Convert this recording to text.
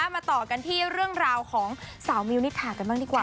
มาต่อกันที่เรื่องราวของสาวมิวนิษฐากันบ้างดีกว่า